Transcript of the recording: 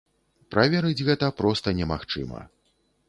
Праверыць гэта проста немагчыма.